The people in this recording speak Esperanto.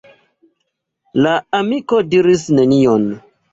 La amiko diris nenion.